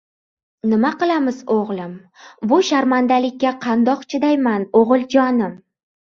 — Nima qilamiz, o‘g‘lim! Bu sharmandalikka qandoq chidayman, o‘g‘iljonim!